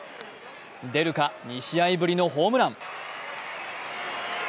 出るか、２試合ぶりのホームラン。